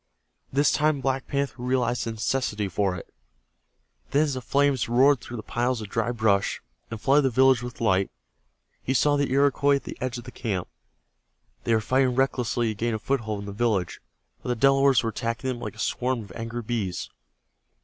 This time Black Panther realized the necessity for it. Then as the flames roared through the piles of dry brush, and flooded the village with light, he saw the Iroquois at the edge of the camp. They were fighting recklessly to gain a foothold in the village, but the Delawares were attacking them like a swarm of angry bees.